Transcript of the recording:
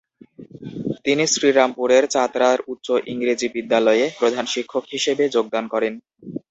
তিনি শ্রীরামপুরের চাতরা উচ্চ ইংরেজি বিদ্যালয়ে প্রধান শিক্ষক হিসেবে যোগদান করেন।